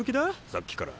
さっきから。